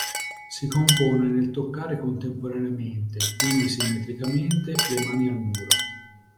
Si compone nel toccare contemporaneamente, quindi simmetricamente, le mani al muro.